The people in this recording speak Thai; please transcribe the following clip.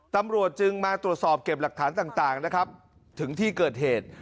ตำรวจจึงมาตรวจสอบเก็บหลักฐานต่างนะครับถึงที่เกิดเหตุ